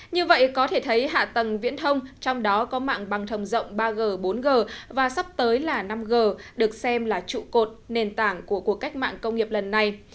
như vậy có thể thấy hạ tầng viễn thông trong đó có mạng bằng thông rộng ba g bốn g và sắp tới là năm g được xem là trụ cột nền tảng của cuộc cách mạng công nghiệp lần này